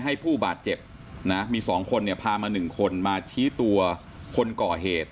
ให้ผู้บาสเจ็บมีสองคนพามาหนึ่งคนมาชี้ตัวคนก่อเหตุ